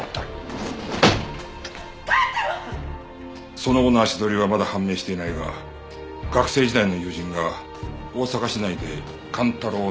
その後の足取りはまだ判明していないが学生時代の友人が大阪市内で寛太郎を見かけたと証言している。